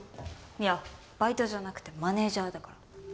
いやバイトじゃなくてマネージャーだから。